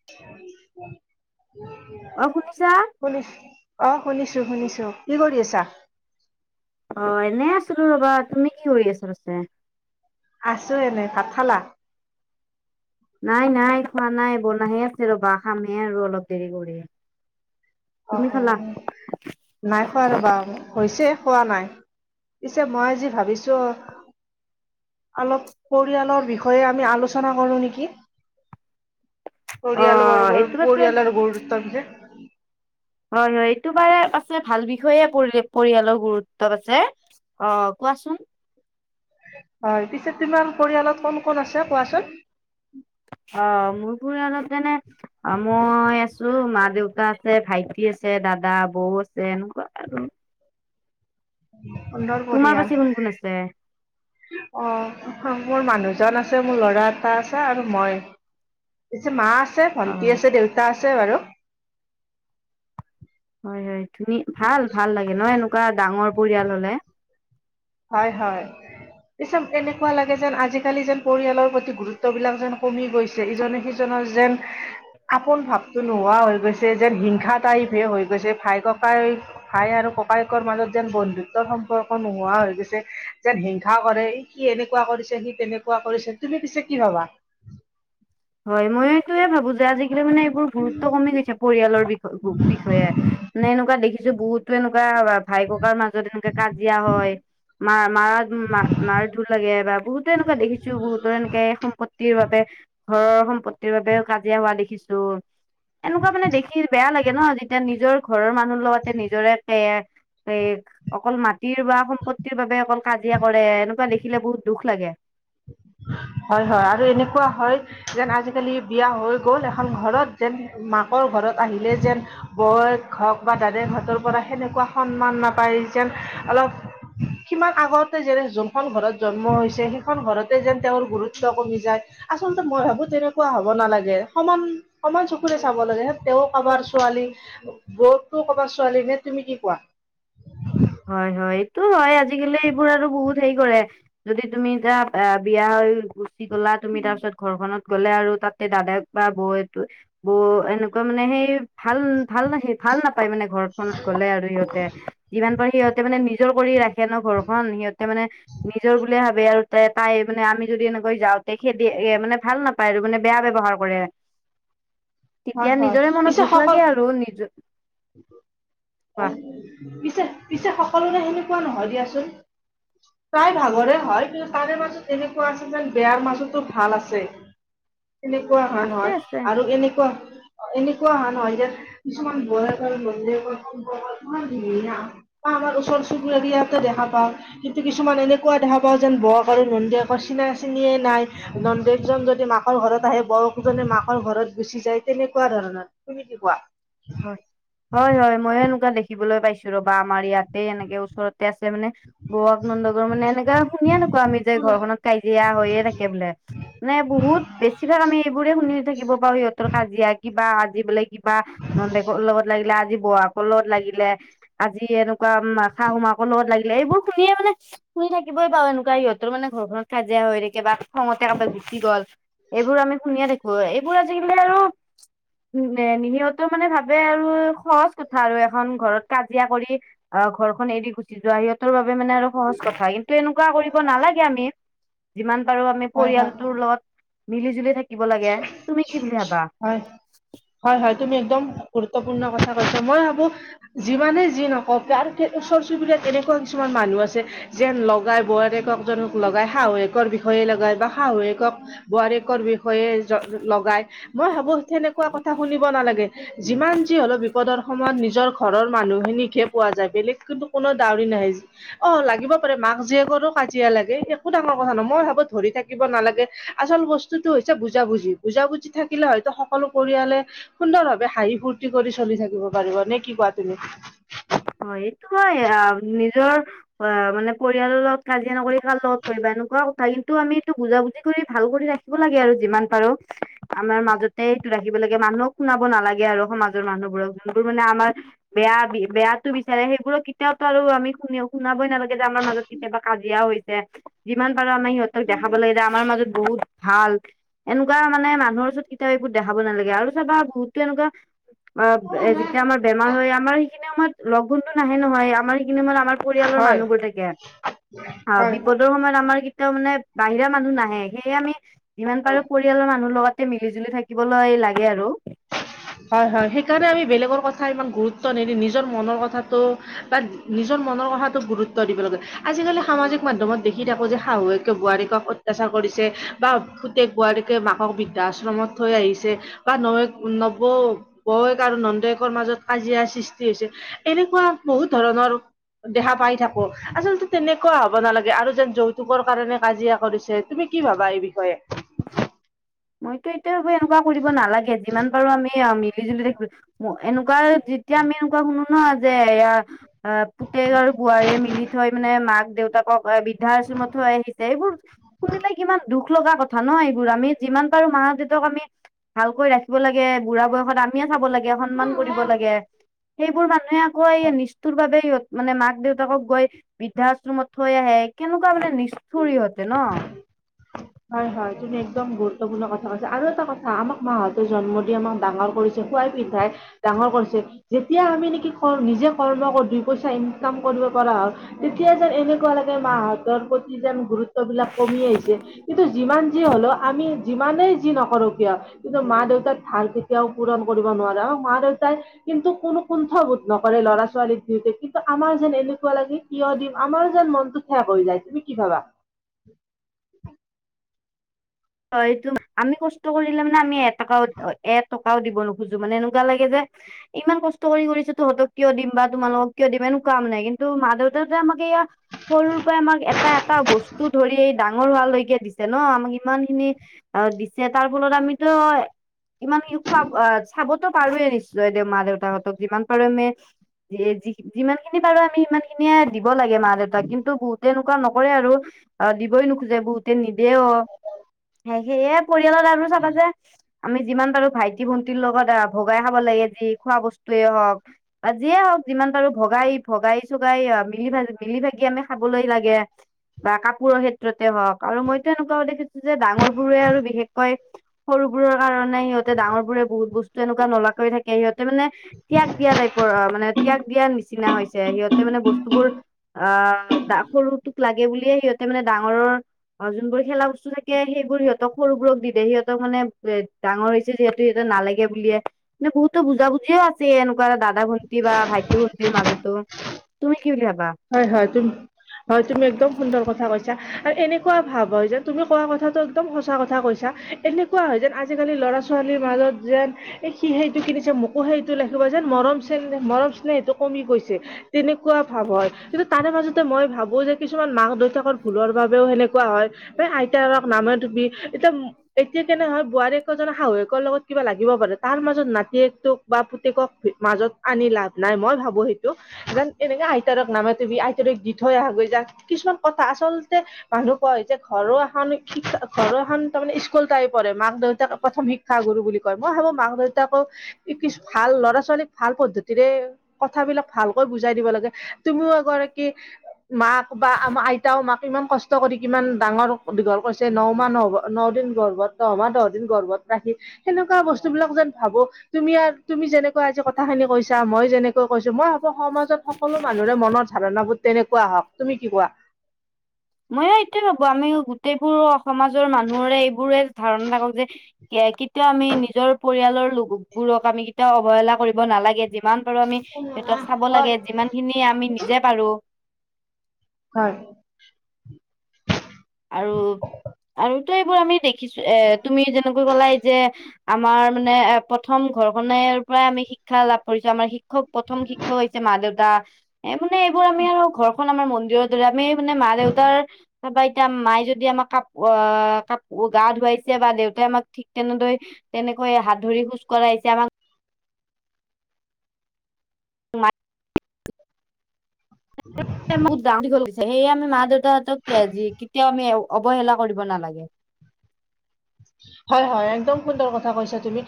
[unintelligible] অ', শুনিছা? শুনিছো, অঁ' শুনিছো শুনিছো, কি কৰি আছা? অঁ' এনেই আছিলোঁ ৰ'বা, তুমি কি কৰি আছা পিছে? আছো এনেই, ভাত খালা? নাই নাই, খোৱা নাই, বনাইহে আছিলোঁ ৰ'বা খামহে আৰু অলপ দেৰি কৰি। তুমি অ', অ', খালা নাই খোৱা ৰবা, হৈছে খোৱা নাই। পিছে মই আজি ভাবিছোঁ অলপ পৰিয়ালৰ বিষয়ে আমি আলোচনা কৰো নেকি। অ পৰিয়াল বৰ্গৰ, এইটো পাছে পৰিয়ালৰ গুৰুত্ব বিষয়। হয় হয়, এইটো বাৰু পাছে ভাল বিষয়ে পৰি, পৰিয়ালৰ গুৰুত্ব পাছে। অঁ' কোৱাচোন? হয়, পিছে তোমাৰ পৰিয়ালত কোন কোন আছে কোৱাচোন? অঁ' মোৰ পৰিয়ালত তেনে অ', মই আছোঁ, মা-দেউতা আছে, ভাইটি আছে, দাদা, বৌ আছে এনেকুৱা আৰু। সুন্দৰ। তোমাৰ পৰিয়াল পাছে কোন কোন আছে? অ', মোৰ মানুহজন আছে, মোৰ ল'ৰা এটা আছে আৰু মই। পিছে মা আছে, অ ভন্টি আছে, দেউতা আছে বাৰু। হয় হয়, ধুনি, ভাল ভাল লাগে ন' এনেকুৱা ডাঙৰ পৰিয়াল হ'লে। হয় হয়। পিছে এনেকুৱা লাগে যেন আজিকালি যেন পৰিয়ালৰ প্ৰতি গুৰুত্ব বিলাক যেন কমি গৈ ছে ইজনে সিজনৰ যেন আপোন ভাৱটো নোহোৱা হৈ গৈছে যেন হিংসা টাইপহে হৈ গৈছে ভাই, ককাই ভাই আৰু ককায়েকৰ মাজত যেন বন্ধুত্বৰ সম্পৰ্ক নোহোৱা হৈ পিছে যেন হিংসা কৰে, সি এনেকুৱা কৰিছে, সি তেনেকুৱা কৰিছে, তুমি পিছে কি ভাবা। হয় মই এইটোৱে ভাবো যে আজিকালি মানে এইবোৰ গুৰুত্ব কমি গৈছে পৰিয়ালৰ বিষয় বিষয়ে, মানে এনেকুৱা দেখিছো বহুত। টো এনেকুৱা ভাই, ককাইৰ মাজত এনেকা কাজিয়া হয়। মাৰ মাৰাত ম-মাৰ ধুৰ লাগে এবাৰ বহুত বহুতো এনেকুৱা দেখিছো বহুতো এনেকে সম্পত্তিৰ বাবে। ঘৰৰ সম্পত্তিৰ বাবেও কাজিয়া হোৱা দেখিছো, এনেকুৱা মানে দেখ বেয়া লাগে ন যেতিয়া নিজৰ ঘৰৰ মানুহ লগতে নিজৰে বেয়া, ফেক অকল মাটিৰ বা সম্পত্তিৰ বাবে অকল কাজিয়া কৰে এনেকুৱা দেখিলে বহুত দুখ লাগে। হয় হয় আৰু এনেকুৱা হয়। যেন আজিকালি বিয়া হৈ গ'ল এখন ঘৰত যেন মাকৰ ঘৰত আহিলে যেন বৌয়েক হওক বা দাদাৰ হেতৰ পৰা সেনেকুৱা সন্মান নাপায় যেন অলপ কিমান আগতে যেনে যোনখন ঘৰত জন্ম হৈছে সেইখন ঘৰতে যেন তেওঁৰ গুৰুত্ব কমি যায় আচলতে মই ভাবো তেনেকুৱা হ'ব নালাগে সমান সমান চকুৰে চাব লাগে, তেওঁ কাবাৰ ছোৱালী বৌকতো ক'বাৰ ছোৱালী নে, তুমি কি কোৱা। হয় হয় এইটো হয় আজিকালি এইবোৰ আৰু বহুত হেৰি কৰে। যদি তুমি যা এয়া বিয়া হৈ গুচি গ'লা তুমি তাৰপিছত ঘৰখনত গ'লে আৰু তাতে দাদাক বা বৌয়েতো, বৌ এনেকুৱা মানে সেই ভাল ভাল লাগে ভাল নাপায় মানে ঘৰখনত গ'লে আৰু সিহঁতে, যিমান পাৰে সিহঁতে মানে নিজৰ কৰি ৰাখে ন ঘৰখন সিহঁতে মানে নিজৰ বুলি ভাবে আৰু তাই তাই মানে আমি যদি এনেকৈ যাওঁতে খেদি আহি মানে ভাল নাপায় আৰু মানে বেয়া ব্যৱহাৰ কৰে। তেতিয়া হয় হয়। নিজৰে মনত পিছে দুখ সকল লাগে আৰু নিজ [unintelligible] বাহ পিছে পিছে সকলোৰে সেনেকুৱা নহয় দিয়াচোন। তাই ভাগৰে হয় কিন্তু তাৰে মাজত এনেকুৱা আছে যেন বেয়াৰ মাজতো ভাল আছে। [inaudible] এনেকুৱা ভাল আছে হয় আছে আৰু এনেকুৱা- এনেকুৱা হা নহয় যে কিছুমান বায়েক আৰু নন্দেকৰ সম্পৰ্ক ইমান ধুনীয়া বা আমাৰ ওচৰ চুবুৰীয়াতে দেখা পাও। কিন্তু কিছুমান এনেকুৱা দেখা পাওঁ যেন বৌক আৰু নন্দেকৰ চিনা চিনিয়ে নাই। নন্দেকজন যদি মাকৰ ঘৰত আহে বৌক জনি মাকৰ ঘৰত গুচি যায়। তেনেকুৱা ধৰণৰ তুমি কি কোৱা। হয়, হয় হয় ময়ো এনেকুৱা দেখিবলৈ পাইছো ৰ'বা আমাৰ ইয়াতে এনেকে ওচৰত। ততে আছে মানে, বৌয়েক, নন্দকৰ মানে এনেকা শুনিয়ে থাকো মানে আমি যে ঘৰখনত কাইজিয়া হৈয়ে থাকে বোলে মানে বহুত বেছিভাগ আমি এইবোৰে শুনি থাকিব পাৰো সিহঁতৰ কাজিয়া কিবা আজি বোলে কিবা নন্দেকৰ লগত লাগিলে আজি বৈয়েকৰ লগত লাগিলে আজি এনে শাহু‌ মাকৰ লগত লাগিলে এইবোৰ শুনিয়ে মানে শুনি থাকিবই পাউ এনেকুৱা সিহঁতৰ মানে ঘৰখনত কাজিয়া হৈ থাকে বা খঙতে কাবাল গুছি গল এইবোৰ আমি শুনিয়ে থাক হয় এইবোৰ আজিকালি আৰু নে নিমিহত টো মানে ভাবে আৰু সহজ কথা আৰু এখন ঘৰত কাজিয়া কৰি অঁ ঘৰখন এৰি গুচি যোৱা ইয়াত- তোৰ বাবে মানে আৰু সহজ কথা, কিন্তু এনেকুৱা কৰিব নালাগে আমি। যিমান পাৰো আমি হয় হয় পৰিয়ালটোৰ লগত মিলি জুলি থাকিব লাগে, তুমি কি বুলি ভাবা? হয়, হয় হয় তুমি একদম গুৰুত্ত্বপূৰণ কথা কৈছা, মই ভাবো- যিমানে যি নকওক, যাৰ এতিয়া ওচৰ চুবুৰীয়াত এনেকুৱা কিছুমান মানুহ আছে- যেন লগাই বোৱাৰীয়েক জনক লগাই শাহুৱেকৰ বিষয়ে লগাই বা শাহুৱেকক- বোৱাৰীয়েকৰ বি- ষয়ে লগাই। মই ভাবো তেনেকুৱা কথা শুনিব নালাগে, যিমান যি হলেও- বিপদৰ সময়ত নিজৰ ঘৰৰ মানুহখিনিকহে পোৱা যায়, বেলেগটোটো কোনো ডাউৰি নাহে। অঁ লাগিব পাৰে মাক জীয়েকৰো কাজিয়া লাগে একো ডাঙৰ কথা নহ, মই ভাবো ধৰি থাকি- কিব নালাগে। আচল বস্তুতটো হৈছে বুজাবুজি, বুজাবুজি থাকিলে হয়তো সকলো পৰিয়ালে- সুন্দৰভাৱে হাঁহি ফূুৰ্তি কৰি চলি থাকিব পাৰিব, নে কি কোৱা তুমি? অ এইটো হয় অ নিজৰ- অ মানে পৰিয়ালৰ লগত কাজিয়া নকৰি কাৰ লগত কৰিবা এনেকুৱা কথা। কিন্তু আমি এইটো বুজাবুজি কৰি ভাল কৰি ৰাখ- ৰাখিবা খিব লাগে আৰু যিমান পাৰো। আমাৰ মাজতে এইটো ৰাখিব লাগে মানুহক শুনাব নালাগে আৰু সমাজৰ মানুহবোৰক। যোনবোৰ মানে আমাৰ- বেয়া বেয়াতো বিচাৰে সেইবোৰক কেতিয়াওটো আৰু আমি- কোনেও শুনাবৈ নালাগে যে আমাৰ মাজত কেতিয়াবা কাজিয়া হৈছে। যিমান পাৰো আমি সিহঁতক দেখাব লাগে যে আমাৰ মাজত বহুত ভাল। এনেকুৱা মানে মানুহৰ ওচৰত কেতিয়াও এইবোৰ দেখাব নালাগে। আৰু চাবা বহুতো এনেকুৱা- অ যেতিয়া আমাৰ বেমাৰ হয় আমাৰ সেইখিনি সময়ত লগুণতো নাহে নহয়, আমাৰ সেইখিনি সময়ত আমাৰ- পৰিয়ালৰ হয় মানুহবোৰ থাকে। অঁ হয় হয় বিপদৰ সময়ত আমাৰ কেতিয়াও মানে- বাহিৰা মানুহ নাহে। সেয়ে আমি যিমান পাৰো হয়। কৰি- পৰিয়ালৰ মানুহৰ লগতে মিলি জুলি থাকিবলৈ লাগে আৰু। হয় হয়, সেই কাৰণে আমি বেলেগৰ কথা ইমান গুৰুত্ব নিদি নিজৰ মনৰ কথাটো তাত- নিজৰ মনৰ কথাতো গুৰুত্ব দিব লাগে, আজিকালি সামাজিক মাধ্যমত দেখি থাকো যে শাহুৱেকে বোৱাৰীয়েক- অত্যাচাৰ কৰিছে বা পোতেক বোৱাৰীকে মাকক বৃদ্ধাশ্ৰমত থৈ আহিছে বা নহয়- নৱৌ বৌৱেক আৰু নন্দয়েকৰ মাজত কাজিয়াৰ সৃষ্টি হৈছে। এনেকুৱা বহুত ধৰণৰ- দেখা পাই থাকো, আচলতে তেনেকুৱা হব নালাগে আৰু যেন যৌতুকৰ কাৰণে কাজিয়া কৰিছে। তুমি কি ভাবা এই বিষয়ে? মইতো এইটোৱে ভাবো এনেকুৱা কৰিব নালাগে, যিমান পাৰো আমি মিলি জুলি থাকিব- এনেকুৱা যেতিয়া আমি এনেকুৱা শুনো ন' যে এয়া- অ পুতেক আৰু বোৱাৰীয়ে মিলি থৈ মানে মাক দেউতাকক এ- বৃদ্ধা আশ্ৰমত থৈ আহিছে এইবোৰ শুনিলে কিমান দুখ লগা কথা ন? এইবোৰ আমি- যিমান পাৰো মা দেউতাক আমি ভালকৈ ৰাখিব লাগে বুঢ়া বয়সত আমিয়ে চাব লাগে। এ সন্মান কৰিব লাগে। সেইবোৰ মানুহে আকৌ এই নিষ্ঠুৰভাৱে ইহঁত মানে মাক দেউতাকক গৈ- বৃদ্ধা আশ্ৰমত থৈ আহে, কেনেকুৱা মানে নিষ্ঠৰ ইহঁতে ন। হয় হয়, তুমি এক্দম গুৰুত্বপূৰ্ণ কথা কৈছা। আৰু এটা কথা আমাক মাহঁতে জন্ম দি আমাক ডাঙৰ কৰিছ- য খুৱাই পিন্ধাই। ডাঙৰ কৰিছে, যেতিয়া আমি নেকি নিজে কৰ্ম কৰি দুই পইচা ইনকাম কৰিব পৰা হ- তেতিয়া যেন এনেকুৱা লাগে মাহতৰ প্ৰতি যেন গুৰুত্ব বিলাক কমি আহিছে। কিন্তু যিমান যি হ'লেও আমি- যিমানেই যি নকৰো কিয়? কিন্তু মা দেউতাক ধাৰ কেতিয়াও পূৰণ কৰিব নোৱাৰা আৰু মা দেউতাই- কিন্তু কোনো কুণ্ঠবোধ নকৰে ল'ৰা ছোৱালীক দিওঁতে কিন্তু আমাৰ যেন এনেকুৱা লাগে কিয় দিম আমাৰো যেন মনতটো ঠেক হৈ যায় তুমি কি ভাবা। হয়, সেইটো আমি কষ্ট কৰিলে মানে আমি এটকা এটকা। ভাও দিব নোখোজো মানে এনেকুৱা লাগে যে ইমান কষ্ট কৰি কৰি যে তহঁতক কিয় দিম বা তোমালোকক কিয় দিম এনেকুৱা মানে কি মা দেউতা যে আমাক এইয়া সৰুৰ পৰাই আমাক এটা এটা বস্তু ধৰি ডাঙৰ ডাঙৰ হোৱালৈকে দিছে ন' আমাক ইমান খিনি অ' দিছে তাৰ ফলত আমিতো ইমান খোৱা চাবতো পাৰোয়ে নিশ্চয় দেউ মা দেউতাহঁতক যিমান পাৰো মে য যিমান খিনি পাৰো তুমি ইমান খিনিয়ে দিব লাগে মা দেউতাক কিন্তু বহুতে এনেকুৱা নকৰে আৰু। অ' দিবই নোখোজে বহুতে নিদে অ 'সেই সেয়ে পৰিয়ালত আৰু চাবা যে আমি যিমান পাৰো ভাইটি ভণ্টিৰ লগত আ ভগাই খাব লাগে যি খোৱা বস্তুৱে হওক। বা যিয়ে হওক যিমান পাৰো ভগাই ভগাই চগাই, মিলি ভি মিলি ভাগি আমি খাবলৈ লাগে। বা কাপোৰৰ ক্ষেত্ৰতে হওক আৰু মইতো এনেকুৱা দেখিছো যে ডাঙৰ বোৰে আৰু বিশেষকৈ সৰুবোৰৰ কাৰণে সিহঁতে ডাঙৰ বোৰে বহুত বস্তু এনেকুৱা নোলোৱাকৈ থাকে সিহঁতে মানে ত্যাগ দিয়া টাইপৰ অ' মানে ত্যাগ দিয়া নিচিনা হৈছে সিহঁতে মানে বস্তুবোৰ অ' সৰুটোক লাগে বুলিয়ে সিহঁতে মানে ডাঙৰ অ' যোনবোৰ খেলা বস্তু থাকে সেইবোৰ সিহতক সৰুবোৰক দি দিয়ে সিহতক মানে এ ডাঙৰ হৈছে যিহেতু সিহঁত নালাগে। বুলিয়ে মানে বহুত বুজা - বুজিয়ে আছে এনেকুৱা এটা দাদা ভন্টি বা ভাইটি ভন্টিৰ মাজতো তুমি কি বুলি ভাবা। হয় হয় তুম হয় তুমি একদম সুন্দৰ কথা কৈছা আৰু এনেকুৱা ভাৱ হয় কোৱা কথাটো এক্দম সঁচা কথা কৈছা। এনেকুৱা হয় যেন আজিকালি ল'ৰা ছোৱালীৰ মাজত যেন এ সি সেইটো কিনিছে মোকো যেন মৰম চেনেহ মৰম চেনেহ সেইটো কমি গৈছে। তেনেকুৱা ভাৱ হয়। কিন্তু তাৰে মাজতে মই ভাবো যে কিছুমান মাক দেউতাকৰ ভুলৰ বাবেও সেনেকুৱা হয়। এই আইততাৰক নামে তুমি এতিয়া, এতিয়া কেনেহয় বোৱাৰীয়েকৰ ধৰ শাহুৱেকৰ লগত কিবা লাগিব পাৰে তাৰ মাজত নাতিয়েকটোক বা পুতেকক মাজত আনি লাভ নাই মই ভাবো সেইটো কাৰণ এনেকে আইতাৰক নামাতিবি আইতৰেক দি থৈ আহাগৈ যাক কিছুমান কথা আচলতে মানুহ কোৱা হয় যে ঘৰো এখন ঘৰো এখন তাৰমানে স্কুল টাই পঢ় মাক দেউতাক প্ৰথম শিক্ষ শিক্ষা গুৰু বুলি কয় মই ভাবো মাক দেউতাকক। কিছু ভাল ল'ৰা ছোৱালীক ভাল পদ্ধতিৰে কথাবিলাক ভালকৈ বুজাই দিব লাগে। তুমিও এগৰাকী মাক বা আমাৰ আইতাও মাক ইমান কষ্ট কৰি কিমান ডাঙৰ দীঘল কৰিছে ন মাহ হ'ব ন দিন গৰ্ভত দহমা দহ দিন গৰ্ভত ৰাখি সেনেকুৱা বস্তু বিলাক যেন ভাবো। তুমি, তুমি যেনেকৈ আজি কথা খিনি কৈছা মই যেনেকৈ কৈছো মই ভাবো সমাজত সকলো মানুহৰে মনৰ ধাৰণাবোৰ তেনেকুৱা হওক তুমি কি কোৱা? মই এইটোয়ে ভাবো আমি গোটেইবোৰ সমাজৰ মানুহৰে এইবোৰে ধাৰণা থাকক যে কেতিয়াও আমি নিজৰ পৰিয়ালৰ বোৰক আমি কেতিয়াও অৱহেলা কৰিব নালাগে যে যিমান পাৰো আমি সিহঁতক চাব লাগে যিমান খিনি আমি নিজে পাৰো। হয়। আৰু আৰুতো এইবোৰ আমি দেখিছো এ তুমি যেনেকৈ কলা এইযে আমাৰ মানে, এ প্ৰথম ঘৰখনেনৰ পৰাই আমি শিক্ষা লাভ কৰিছো আমাৰ শিক্ষা। শিক্ষক প্ৰথম শিক্ষক হৈছে মা দেউতা, এ মানে এইবোৰ আমি আৰু ঘৰখন আমাৰ মন্দিৰৰ দৰে আমি, মানে মা দেউতাৰ বাইত। এতিয়া মায়ে যদি আমাক কাপোৰ গা ধুৱাইছে বা দেউতাই আমাক ঠিক তেনেদৰে- তেনেকৈ হাত ধৰি খোজ কঢ়িছে আমাক। তোমাত- বহুত ডাঙৰ দীঘল কৰিছে সেয়ে আমি মা দেউতাহঁতকি কেতিয়াও আমি অৱহেলা কৰিব নালাগে। হয়ঁ হয়ঁ! একদম সুন্দৰ কথা কৈছা তুমি।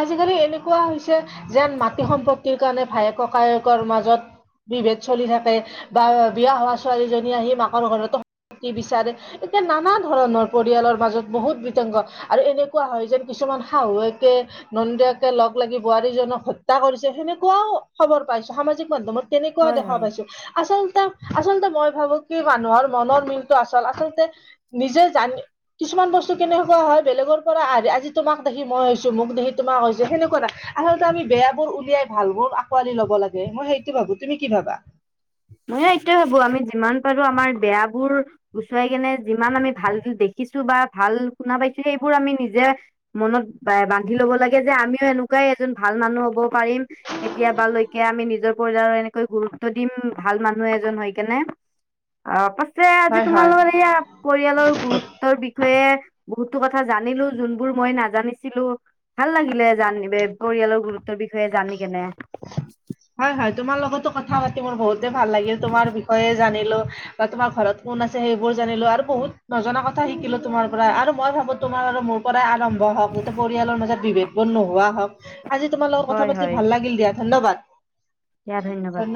আজিকালি এনেকুৱা হৈছে যেন মাটি সম্পত্তিৰ কাৰণে ভায়েক কায়েকৰ মাজত - বিভেদ চলি থাকে বা বিয়া হোৱা ছোৱালীজনী আহি মাকৰ ঘৰতো কি বিচাৰে এতিয়া নানা ধৰণৰ পৰিয়ালৰ মাজত বহুত বিতংগ। আৰু এনেকুৱা হঁয়, যেন কিছুমান শাহুৱকে? নন্দিয়াকে লগ লাগি বোৱাৰীজনক হত্যা কৰিছে, সেনেকুৱাও খবৰ পাইছে সামাজিক মাধ্যমত। তেনেকুৱা হয় দেখা হয় পাইছোঁ, আচলতা? আচল্ততে মই ভাবো কি মানুহৰ মনৰ মিলটো আচল, আচলতে - নিজে জানি কিছুমান বস্তু কেনেকুৱা হয়! বেলেগৰ পৰা আহি আজি তোমাক দেখি মই হৈছো মোক দেখি তোমাক হৈছো, সেকুৱা নাই আলতে আমি বেয়া বোৰ উলিয়াই- ভাল বোৰ আঁকোৱালি ল'ব লাগে। মই সেইটো ভাবো তুমি কি ভাবা? মই এইটোয়ে ভাবো, আমি যিমান পাৰো আমাৰ বেয়াবোৰ- গুচৰাাই কেনে যিমান আমি ভাল দেখিছো বা ভাল শুনা পাইছো, সেইবোৰ আমি নিজে। মনত এ বান্ধি লব লাগে যে আমিও এনেকুৱাই এজন ভাল মানুহ হ'ব পাৰিম। কেতিয়াব লৈকে আমি নিজৰ পয়ায়ৰ এনেকৈ গুৰুত্ব দিম। ভাল মানুহ এজন হৈ কেনে, অঁ পাছে আজি হয় হয়। তোমালোকৰ এইয়া- পৰিয়ালৰ গুৰুত্বৰ বিষয়ে বহুতো কথা জানিলো, যোনবোৰ মই নাজানিছিলো- ভাল লাগিলে জান বে পৰিয়ালৰ গুৰুত্বৰ বিষয়ে জানি কেনে। হয়ঁ হয়ঁ তোমাৰ লগতো কথা পাতি মোৰ বহুতে ভাল, লাগিল তোমাৰ বিষয়ে জানিলো। বা তোমাৰ ঘৰত কোন আছে সেইবোৰ জানিলো আৰু বহুত নজনা কথা শিকিলো তোমাৰ পৰা, আৰু মই ভাবো তোমাৰ আৰু মোৰ- কৰাই আৰম্ভ হওঁক যতিয়া পৰিয়ালৰ মাজত বিভেদ বোৰ নো পোহোৱা হক আজি তোমাৰ লগত কথা হয় পাতি হয় ভাল লাগিল দিয়া ধন্যবাদ। দিয়া ধন্যবাদ।